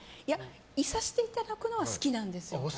いさせていただくのは好きなんですよ。